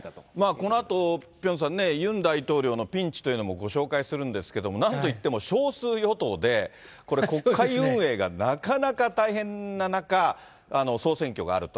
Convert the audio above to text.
このあとピョンさんね、ユン大統領のピンチというものもご紹介するんですけれども、なんといっても、少数与党で、これ、国会運営がなかなか大変な中、総選挙があると。